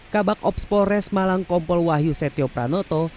kabak ops polres malang kompol wahyu setio pranoto